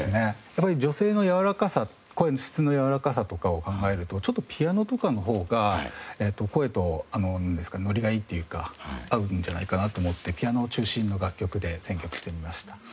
やっぱり女性のやわらかさ声の質のやわらかさとかを考えるとちょっとピアノとかの方が声とのりがいいというか合うんじゃないかなと思ってピアノ中心の楽曲で選曲してみました。